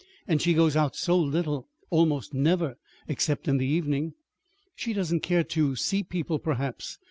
And she goes out so little almost never, except in the evening." "She doesn't care to to see people, perhaps."